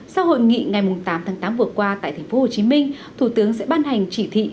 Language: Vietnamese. sau hội nghị ngày tám tháng tám vừa qua tại tp hcm thủ tướng sẽ ban hành chỉ thị